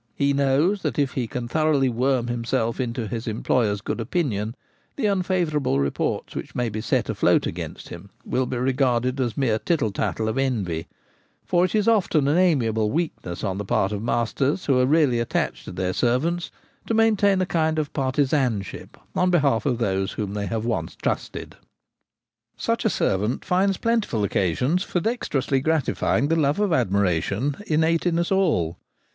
He knows that if he can thoroughly worm himself into his employer's good opinion the unfavourable reports which may be set afloat against him will be regarded as the mere tittle The Blackleg Keeper. 207 tattle of envy ; for it is often an amiable weakness on the part of masters who are really attached to their servants to maintain a kind of partisanship on behalf of those whom they have once trusted. Such a servant finds plentiful occasions for dexte rously gratifying the love of admiration innate in us all.